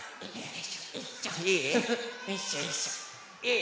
いい？